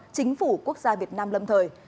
chính phủ quốc gia việt nam lâm thời